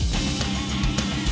terima kasih chandra